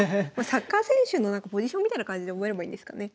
サッカー選手のポジションみたいな感じで覚えればいいんですかね？